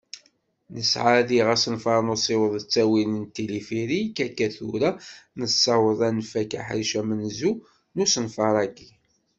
Nesɛa diɣ asenfar n usiweḍ s ttawil n tilifirik. Akka tura, nessaweḍ ad nfak aḥric amenzu n usenfar-agi